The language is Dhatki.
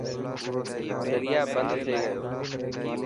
دريا بند ٿي گيو.